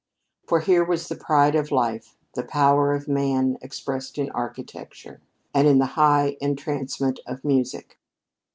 For here was the pride of life the power of man expressed in architecture, and in the high entrancement of music.